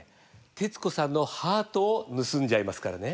徹子さんのハートを盗んじゃいますからね。